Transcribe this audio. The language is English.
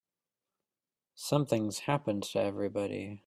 Something's happened to everybody.